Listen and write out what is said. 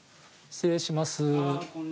失礼します。